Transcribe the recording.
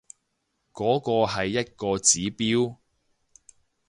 嗰個係一個指標